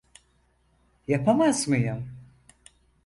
Yapamaz mıyım?